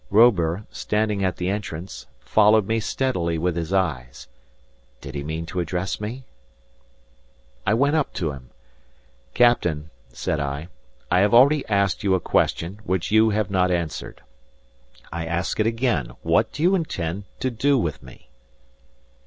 Robur, standing at the entrance, followed me steadily with his eyes. Did he mean to address me? I went up to him. "Captain," said I, "I have already asked you a question, which you have not answered. I ask it again: What do you intend to do with me?"